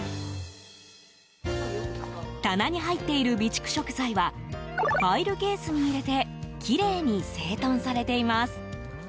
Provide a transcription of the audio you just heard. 棚に入っている備蓄食材はファイルケースに入れてきれいに整頓されています。